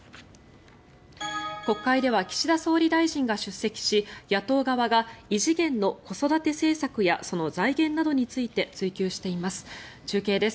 国会では岸田総理大臣が出席し野党側が異次元の子育て政策やその財源について追及しています。